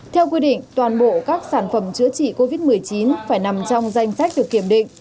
theo quy định toàn bộ các sản phẩm chữa trị covid một mươi chín phải nằm trong danh sách được kiểm định